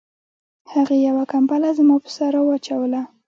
هغې یوه کمپله زما په سر را واچوله